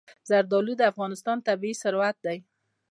زردالو د افغانستان طبعي ثروت دی.